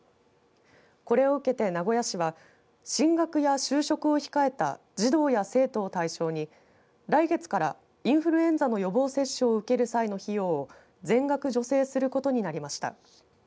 これを受けて名古屋市は進学や就職を控えた児童や生徒を対象に来月からインフルエンザの予防接種を受ける際の費用を全額助成することになりました。